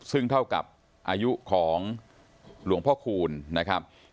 ซึ่งเท่ากับอายุของหลวงพ่อคูณนะครับ